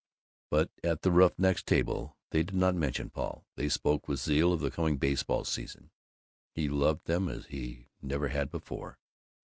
But at the Roughnecks' Table they did not mention Paul. They spoke with zeal of the coming baseball season. He loved them as he never had before.